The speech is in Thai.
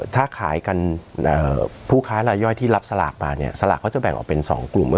ถ้าขายกันผู้ค้ารายย่อยที่รับสลากมาเนี่ยสลากเขาจะแบ่งออกเป็น๒กลุ่ม